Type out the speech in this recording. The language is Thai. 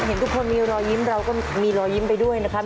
เห็นทุกคนมีรอยยิ้มเราก็มีรอยยิ้มไปด้วยนะครับ